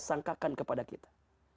sangkakan kepada kita